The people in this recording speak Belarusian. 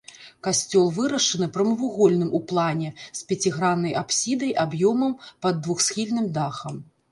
Касцёл вырашаны прамавугольным у плане з пяціграннай апсідай аб'ёмам пад двухсхільным дахам.